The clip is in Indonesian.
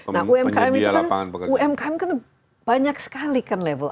nah umkm itu kan banyak sekali kan level